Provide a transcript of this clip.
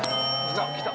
・来た！